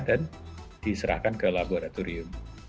dan diserahkan ke laboratorium